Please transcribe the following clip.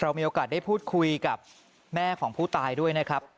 มีโอกาสได้พูดคุยกับแม่ของผู้ตายด้วยนะครับ